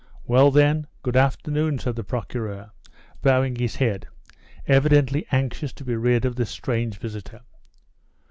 "Well, then, good afternoon," said the Procureur, bowing his head, evidently anxious to be rid of this strange visitor.